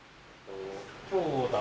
今日だと。